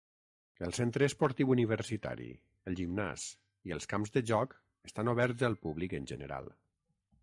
El centre esportiu universitari, el gimnàs i els camps de joc estan oberts al públic en general.